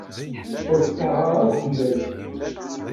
Ur fqiɛeɣ ara akk fell-ak.